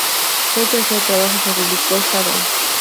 Fue el tercer trabajo que publicó Sadam.